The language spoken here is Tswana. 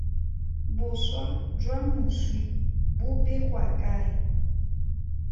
Boswa jwa moswi bo begwa kae?